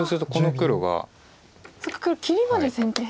黒切りまで先手。